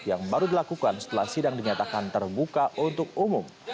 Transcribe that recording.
yang baru dilakukan setelah sidang dinyatakan terbuka untuk umum